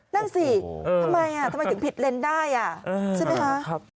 นั่นสิทำไมถึงผิดเลนได้อ่ะใช่ไหมฮะ